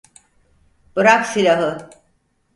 Bırak silahı!